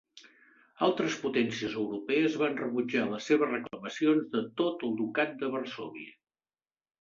Altres potències europees van rebutjar les seves reclamacions de tot el Ducat de Varsòvia.